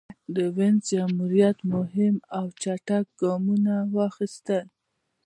د وینز جمهوریت مهم او چټک ګامونه واخیستل.